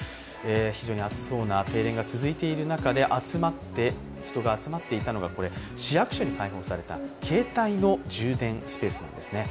非常に暑そうな停電が続いている中で、人が集まっていたのが市役所に開放された携帯の充電スペースです。